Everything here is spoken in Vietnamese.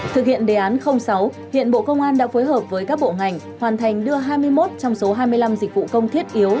thực hiện đề án sáu hiện bộ công an đã phối hợp với các bộ ngành hoàn thành đưa hai mươi một trong số hai mươi năm dịch vụ công thiết yếu